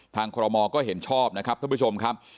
คอรมอลก็เห็นชอบนะครับท่านผู้ชมครับ